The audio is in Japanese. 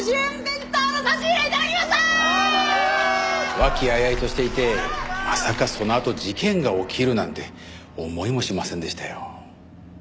和気あいあいとしていてまさかそのあと事件が起きるなんて思いもしませんでしたよ。